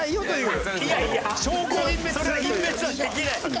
それは隠滅はできない！